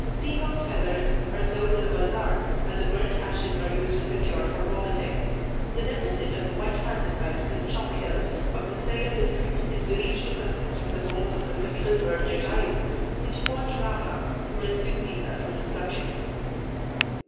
Peacock's feathers are sold in the bazaar, and the burnt ashes are used as a cure for vomiting. The deposit of white magnesite in the "Chalk Hills" of the Salem district is believed to consist of the bones of the mythical bird Jatayu, which fought Ravana, to rescue Sita from his clutches.